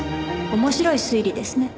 面白い推理ですね。